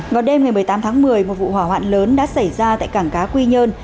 vào đêm ngày một mươi tám tháng một mươi một vụ hỏa hoạn lớn đã xảy ra tại cảng cá quy nhơn